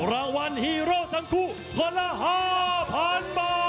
รางวัลฮีโร่ทั้งคู่คนละ๕๐๐๐บาท